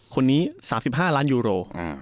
คนนี้๓๕ล้านยูโร